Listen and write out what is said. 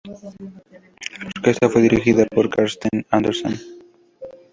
La orquesta fue dirigida por Karsten Andersen.